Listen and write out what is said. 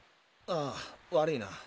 ああ悪いな。